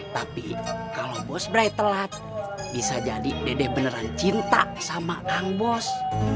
tapi kalau bosbrai telat bisa jadi dede beneran cinta sama kang bos